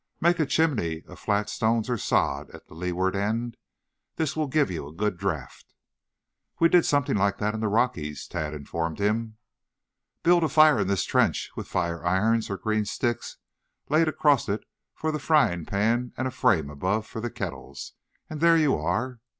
Make a chimney of flat stones or sod at the leeward end. This will give you a good draft." "We did something like that in the Rockies," Tad informed him. "Build a fire in this trench with fire irons or green sticks laid across it for the fryingpan and a frame above for the kettles, and there you are.